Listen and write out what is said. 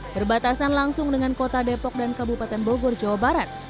berbatasan langsung dengan kota depok dan kabupaten bogor jawa barat